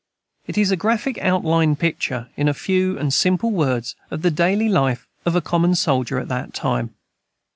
It is a graphic outline picture, in few and simple words, of the daily life of a common soldier at that time.